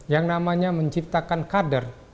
yang namanya menciptakan kader